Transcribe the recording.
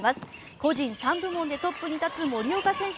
個人３部門でトップに立つ森岡選手。